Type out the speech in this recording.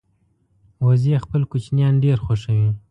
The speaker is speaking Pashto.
وزې خپل کوچنیان ډېر خوښوي